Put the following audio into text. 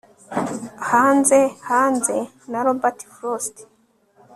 Hanze Hanze na Robert Frost